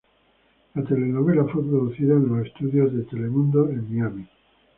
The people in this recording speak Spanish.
La telenovela fue producida en los Estudios de Telemundo en Miami.